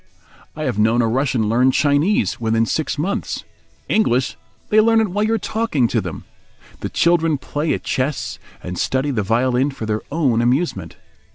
I have known a Russian learn Chinese within six months. English! they learn it while you are talking to them. The children play at chess and study the violin for their own amusement.